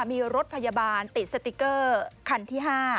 มีรถพยาบาลติดสติ๊กเกอร์คันที่๕